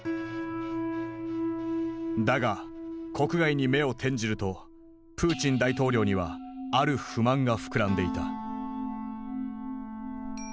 だが国外に目を転じるとプーチン大統領にはある不満が膨らんでいた。